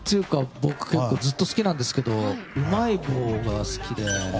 僕、結構ずっと好きなんですけどうまい棒が好きで。